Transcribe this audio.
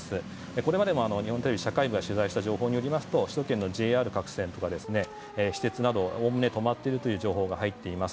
これまでも日本テレビの社会部が取材した情報によりますと首都圏のＪＲ各線とか私鉄などおおむね止まっているという情報が入っています。